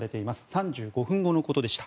３５分後のことでした。